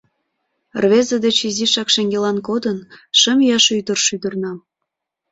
Рвезе деч изишак шеҥгелан кодын, шым ияш ӱдыр шӱдырна.